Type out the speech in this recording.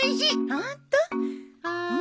ホント？